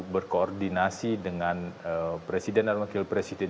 berkoordinasi dengan presiden dan wakil presiden